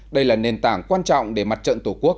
đây là nền tảng quan trọng để mặt trận tổ quốc